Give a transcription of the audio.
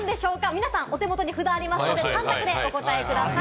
皆さん、お手元に札がありますので、３択でお答えください。